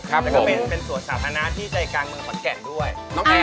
แล้วก็เป็นสวนสาธารณะที่ใจกลางเมืองขอนแก่นด้วย